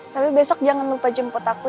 tapi besok jangan lupa jemput aku